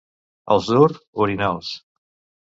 Els d'Ur, orinals.